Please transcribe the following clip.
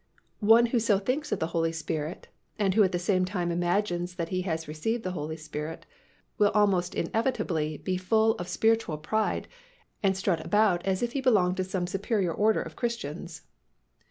One who so thinks of the Holy Spirit and who at the same time imagines that he has received the Holy Spirit will almost inevitably be full of spiritual pride and strut about as if he belonged to some superior order of Christians.